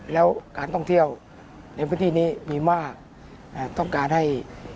แล้วการท่องเที่ยวในพื้นที่นี้มีมากต้องการให้